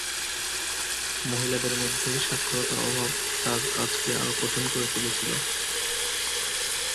মহিলাদের মধ্যে সাক্ষরতার অভাব তাঁর কাজকে আরও কঠিন করে তুলেছিল।